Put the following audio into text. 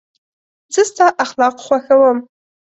زه ستا اخلاق خوښوم.